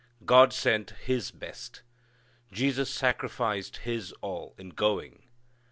God sent His best. Jesus sacrificed His all in going.